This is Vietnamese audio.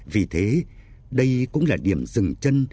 vì thế đây cũng là điểm dừng chân